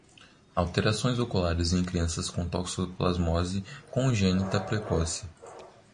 Alterações oculares em crianças com toxoplasmose congênita precoce